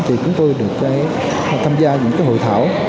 thì chúng tôi được tham gia những hội thảo